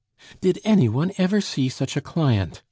"Did any one ever see such a client!"